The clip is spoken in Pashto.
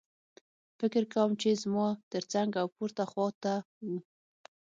فکر کوم چې زما ترڅنګ او پورته خوا ته وو